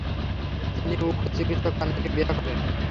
তিনি উক্ত চিকিৎসক কন্যাকে বিবাহ করেন।